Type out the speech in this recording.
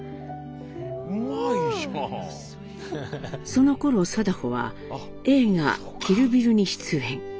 そのころ禎穗は映画「キル・ビル」に出演。